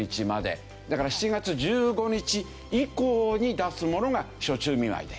だから７月１５日以降に出すものが暑中見舞いで。